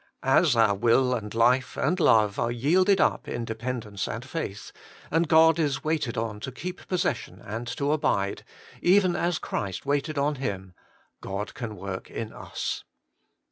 As our 130 Working for God will and life and love are yielded up in de pendence and faith, and God is waited on to keep possession and to abide, even as Christ waited on Him, God can work in us.